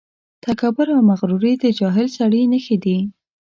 تکبر او مغروري د جاهل سړي نښې دي.